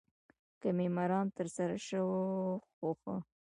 که مې مرام تر سره شو خو ښه.